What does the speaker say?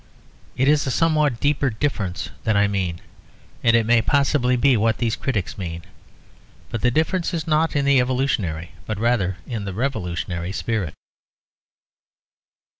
It is a somewhat deeper difference that I mean; and it may possibly be what these critics mean. But the difference is not in the evolutionary, but rather the revolutionary spirit.